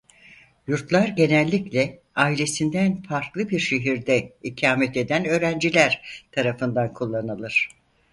Yurtlar genellikle ailesinden farklı bir şehirde ikamet eden öğrenciler tarafından kullanılır.